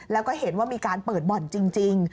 แล้วก็เห็นว่ามีการเปิดบ่อนจริง